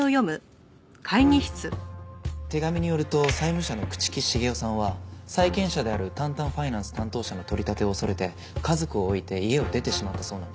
手紙によると債務者の朽木茂雄さんは債権者であるタンタンファイナンス担当者の取り立てを恐れて家族を置いて家を出てしまったそうなんです。